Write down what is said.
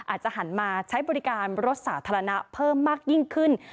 หันมาใช้บริการรถสาธารณะเพิ่มมากยิ่งขึ้น